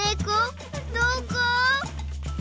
どこ？